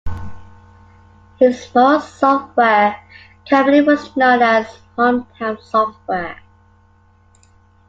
His small software company was known as HomeTown Software.